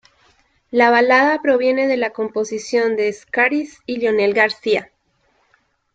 La balada proviene de la composición de Schajris y Leonel García.